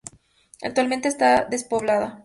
Actualmente está despoblada.